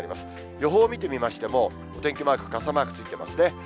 予報見てみましても、お天気マーク、傘マークついてますね。